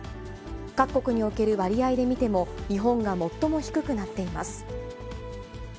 各国における割合で見ても、日本が最も低くなっています。